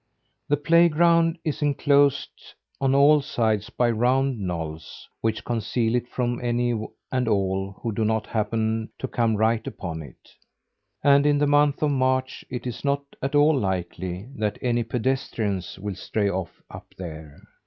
The playground is inclosed on all sides by round knolls, which conceal it from any and all who do not happen to come right upon it. And in the month of March it is not at all likely that any pedestrians will stray off up there.